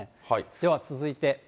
では続いて。